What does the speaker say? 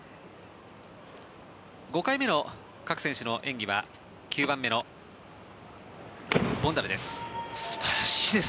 ５回目の各選手の演技は９番目のボンダルです。